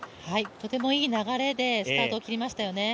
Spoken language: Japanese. とてもいい流れでスタートを切りましたよね。